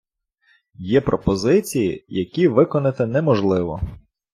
Є пропозиції, які виконати неможливо.